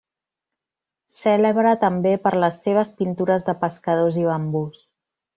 Cèlebre també per les seves pintures de pescadors i bambús.